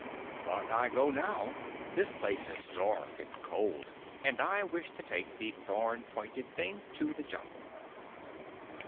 "But I go now. This place is dark and cold, and I wish to take the thorn pointed thing to the Jungle."